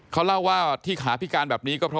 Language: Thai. เขาเล่าว่าที่ขาพิการแบบนี้ก็เพราะ